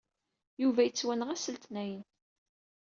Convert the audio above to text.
Yuba yettwenɣ ass n letniyen.